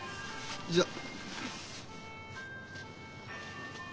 じゃあ。